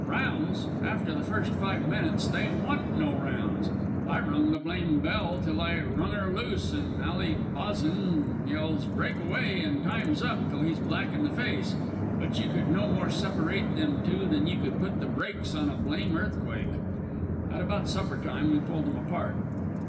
Rounds! After the first five minutes they wa'n't no rounds. I rung the blame bell till I rung her loose an' Ally Bazan yells 'break away' an' 'time's up' till he's black in the face, but you could no more separate them two than you could put the brakes on a blame earthquake. "At about suppertime we pulled 'em apart.